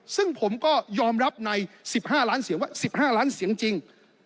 ซึ่งผมก็ยอมรับในสิบห้าล้านเสียงว่าสิบห้าล้านเสียงจริง